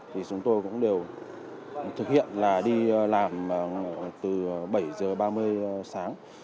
thì chúng tôi cũng đều thực hiện là đi làm từ bảy giờ ba mươi sáng